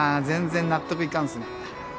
全然納得いかんすね。